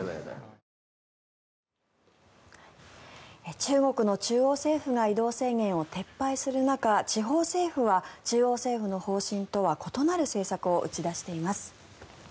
中国の中央政府が移動制限を撤廃する中地方政府は中央政府の方針とは異なる政策を打ち出しています。